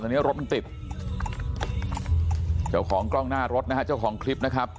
ตอนนี้รถมันติดเจ้าของกล้องหน้ารถนะฮะเจ้าของคลิปนะครับ